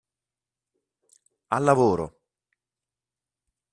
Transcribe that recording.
Al lavoro!